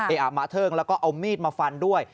เอาอาบมะเทิงแล้วก็เอามีดมาฟันด้วย